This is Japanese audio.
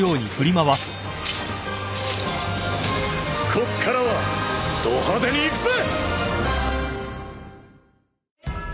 こっからはド派手に行くぜ！！